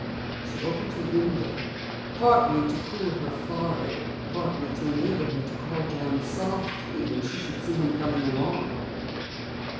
She opened the window; partly to cool her forehead, partly to enable her to call down softly when she should see him coming along.